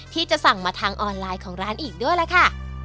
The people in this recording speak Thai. ที่จะสั่งมาทางออนไลน์ของร้านอีกด้วยล่ะค่ะ